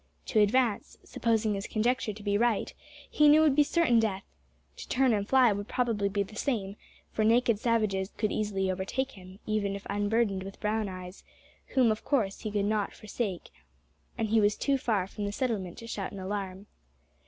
To advance, supposing his conjecture to be right, he knew would be certain death. To turn and fly would probably be the same, for naked savages could easily overtake him even if unburdened with Brown eyes, whom, of course, he could not forsake, and he was too far from the settlement to shout an alarm.